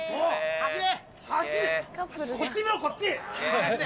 走れ！